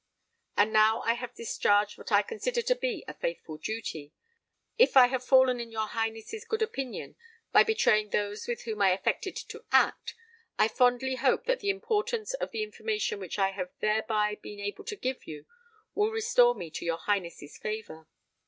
"And now I have discharged what I consider to be a faithful duty. If I have fallen in your Highness's good opinion by betraying those with whom I affected to act, I fondly hope that the importance of the information which I have thereby been enabled to give you, will restore me to your Highness's favour.